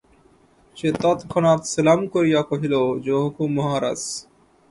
সে তৎক্ষণাৎ সেলাম করিয়া কহিল, যো হুকুম মহারাজ।